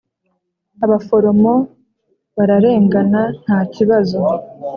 abaforomo bararengana, nta kibazo,